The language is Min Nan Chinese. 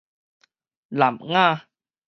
湳雅